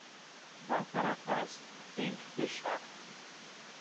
Vá para casa, tenho que fechar.